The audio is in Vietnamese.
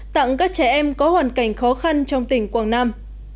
tặng các trẻ em có hoàn cảnh khó khăn trong tỉnh quảng nam